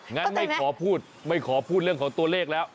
งั้นไม่ขอพูดไม่ขอพูดเรื่องของตัวเลขแล้ว